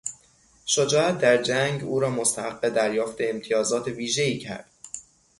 شجاعت در جنگ او را مستحق دریافت امتیازات ویژهای کرد.